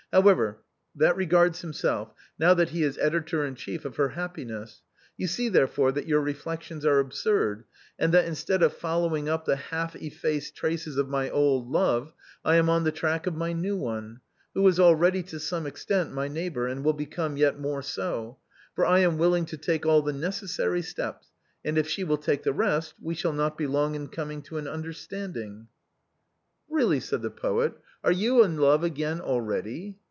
However, that regards himself, now that he is editor in chief of her happiness. You see, therefore, that your reflections are absurd, and that, instead of follow ing up the half effaced traces of my old love, I am on the track of my new one, who is already to some extent my neighbor, and will become yet more so ; for I am willing to take all the necessary steps, and if she will take the rest, we shall not be long in coming to an understanding." 288 THE BOHEMIANS OF THE LATIN QUARTER. " Keally," said the poet, " are you in love again already